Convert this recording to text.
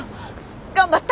頑張った！